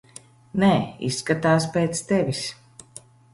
Nē, izskatās pēc tevis.